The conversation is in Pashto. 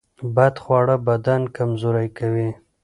بد خواړه بدن کمزوری کوي.